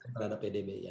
terhadap pdb ya